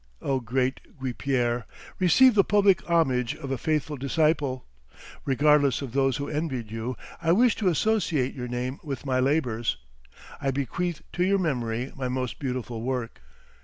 O great Guipière, receive the public homage of a faithful disciple. Regardless of those who envied you, I wish to associate your name with my labors. I bequeath to your memory my most beautiful work.